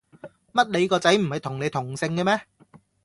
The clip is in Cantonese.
乜你個仔唔係同你同姓嘅咩